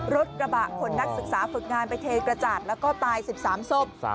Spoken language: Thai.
รถกระบะขนนักศึกษาฝึกงานไปเทกระจาดแล้วก็ตาย๑๓ศพ